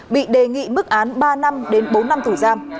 bị đề nghị mức án ba năm đến bốn năm thủ giam